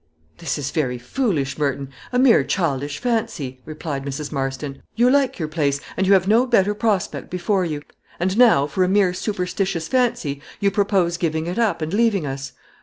"This is very foolish, Merton a mere childish fancy," replied Mrs. Marston; "you like your place, and have no better prospect before you; and now, for a mere superstitious fancy, you propose giving it up, and leaving us.